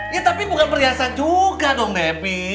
ya tapi bukan perhiasan juga dong debbie